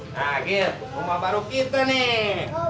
nah gitu rumah baru kita nih